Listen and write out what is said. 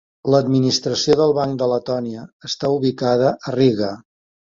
L'administració del Banc de Letònia està ubicada a Riga.